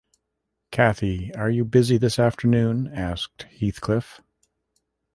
‘Cathy, are you busy this afternoon?’ asked Heathcliff.